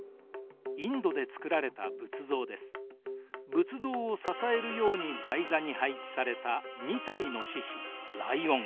仏像を支えるように台座に配置された２体の獅子ライオン。